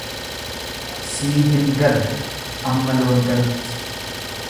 Sii hin galu amma loon galutti.